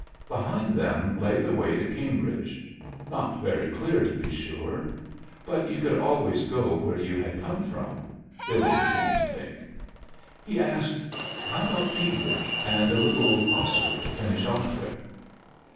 Behind them lay the way to Cambridge, not very clear, to be sure; but you could always go where you had come from, Billy seemed to think. He asked, "How about Cambridge and a little Oscar to finish off with?"